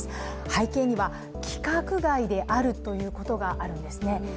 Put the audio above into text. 背景には、規格外であるということがあるんですね。